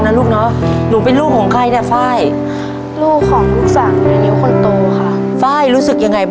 ทับผลไม้เยอะเห็นยายบ่นบอกว่าเป็นยังไงครับ